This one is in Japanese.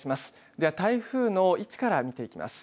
では、台風の位置から見ていきます。